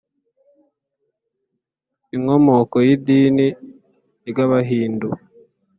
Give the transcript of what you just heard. inkomoko y’idini ry’abahindu